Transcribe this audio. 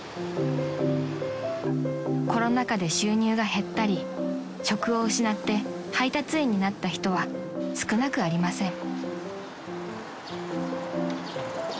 ［コロナ禍で収入が減ったり職を失って配達員になった人は少なくありません］